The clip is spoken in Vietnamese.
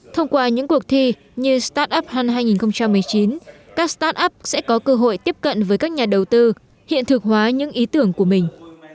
thông qua những cuộc thi như startup hunter hai nghìn một mươi chín các startup sẽ có cơ hội tiếp cận với các nhà đầu tư hiện thực hóa những ý tưởng của mình